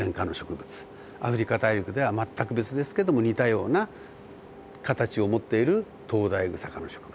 アフリカでは全く別ですけども似たような形を持っているトウダイグサ科の植物。